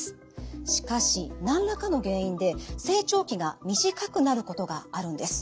しかし何らかの原因で成長期が短くなることがあるんです。